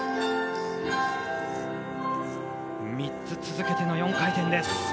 ３つ続けての４回転です。